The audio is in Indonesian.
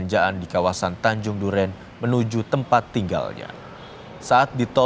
kejadian bermula saat korban memesak kembali ke tempat yang tidak terdapat perangkap